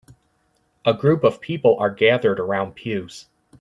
A group of people are gathered around pews.